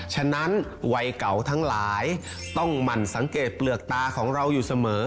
ฉะนั้นวัยเก่าทั้งหลายต้องหมั่นสังเกตเปลือกตาของเราอยู่เสมอ